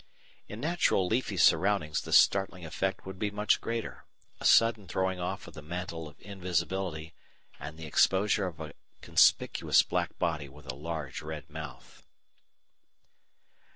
In natural leafy surroundings the startling effect would be much greater a sudden throwing off of the mantle of invisibility and the exposure of a conspicuous black body with a large red mouth.